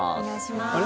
あれ？